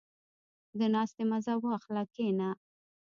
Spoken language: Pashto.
• د ناستې مزه واخله، کښېنه.